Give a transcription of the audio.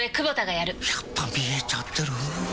やっぱ見えちゃてる？